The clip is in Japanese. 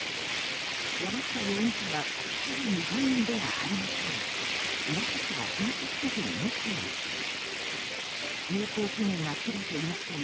山下容疑者はすでに議員ではありませんがなぜか返却せずに持っていました。